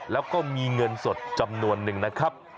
แล้วก็มีเงินสดจำนวนนึงนะครับ